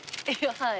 はい。